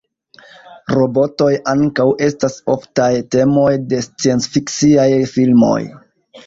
Robotoj ankaŭ estas oftaj temoj de sciencfiksiaj filmoj.